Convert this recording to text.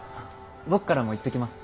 僕からも言っときます。